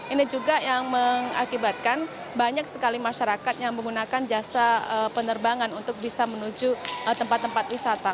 ini juga yang mengakibatkan banyak sekali masyarakat yang menggunakan jasa penerbangan untuk bisa menuju tempat tempat wisata